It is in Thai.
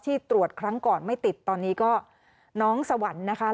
ตรวจครั้งก่อนไม่ติดตอนนี้ก็น้องสวรรค์นะคะ